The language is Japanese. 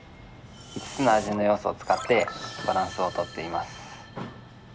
５つの味の要素を使ってバランスをとっています。